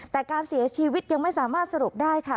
แต่การเสียชีวิตยังไม่สามารถสรุปได้ค่ะ